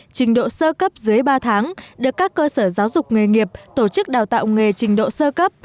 trình độ sơ cấp dưới ba tháng được các cơ sở giáo dục nghề nghiệp tổ chức đào tạo nghề trình độ sơ cấp